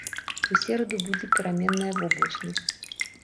У сераду будзе пераменная воблачнасць.